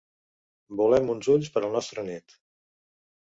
Volem uns ulls per al nostre net.